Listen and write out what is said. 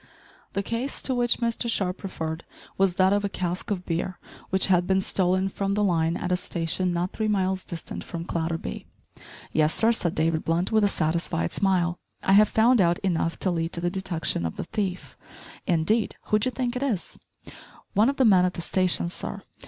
The case to which Mr Sharp referred was that of a cask of beer which had been stolen from the line at a station not three miles distant from Clatterby. "Yes, sir," said David Blunt with a satisfied smile, "I have found out enough to lead to the detection of the thief." "Indeed, who d'ye think it is?" "One of the men at the station, sir.